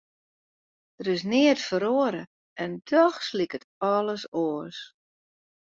Der is neat feroare en dochs liket alles oars.